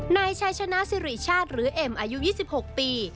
นายชัยชนะสิริชาติหรือเอ็มอายุ๒๖ปี